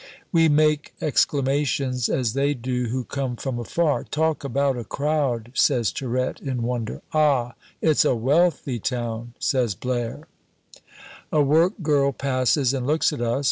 We make exclamations as they do who come from afar: "Talk about a crowd!" says Tirette in wonder. "Ah, it's a wealthy town!" says Blaire. A work girl passes and looks at us.